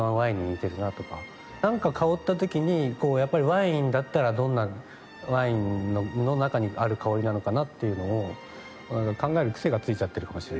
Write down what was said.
なんか香った時にこうやっぱりワインだったらどんなワインの中にある香りなのかな？っていうのを考える癖がついちゃってるかもしれないですね。